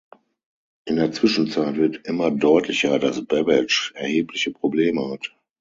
In der Zwischenzeit wird immer deutlicher, dass Babbage erhebliche Probleme hat.